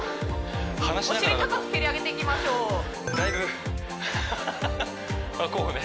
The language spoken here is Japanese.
お尻高く蹴り上げていきましょうこうね